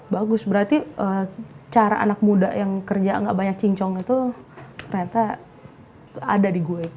bagus berarti cara anak muda yang kerja gak banyak cincong itu ternyata ada di gue